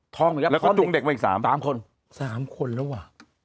ท้องอีกแล้วแล้วก็จุงเด็กมาอีก๓คน๓คน๓คนแล้ววะ